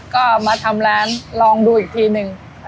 ก็มาทำร้านลองดูอีกทีหนึ่ง